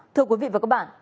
thưa quý vị và các bạn